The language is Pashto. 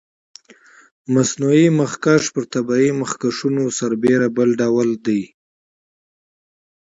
مصنوعي مخکش پر طبیعي مخکشونو سربېره بل ډول دی.